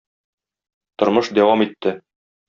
Тормыш дәвам итте.